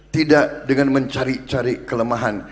tidak dengan mencari cari kelemahan